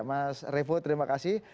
mas revo terima kasih